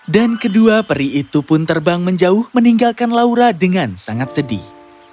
dan kedua peri itu pun terbang menjauh meninggalkan laura dengan sangat sedih